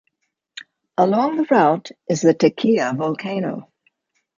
Along the route is the Tequila Volcano.